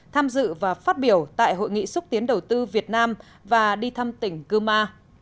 tham dự và phát biểu tại hội nghị xúc tiến đầu tư việt nam và đi thăm tỉnh guma